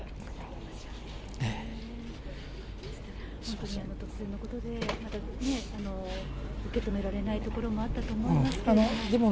本当に突然のことで、まだ受け止められないところもあったと思いますけれども。